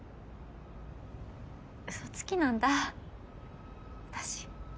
うそつきなんだ私。